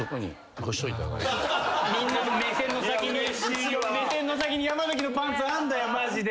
みんなの目線の先に目線の先に山崎のパンツあんだよマジで。